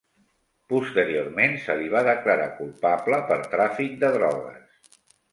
Posteriorment se li va declarar culpable per tràfic de drogues.